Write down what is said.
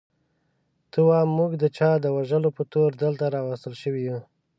ته وا موږ د چا د وژلو په تور دلته راوستل شوي یو.